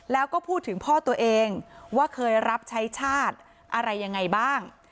แล้วก็พูดถึงพ่อตัวเองว่าเคยรับใช้ชาติอะไรยังไงบ้าง